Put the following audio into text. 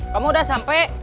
kamu udah sampai